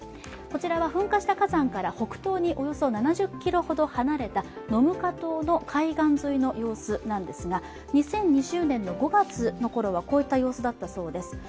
こちらは噴火した火山から北東におよそ７０ｋｍほど離れたノムカ島の海岸沿いの様子なんですが、２０２０年５月のころはこういった様子だったようです。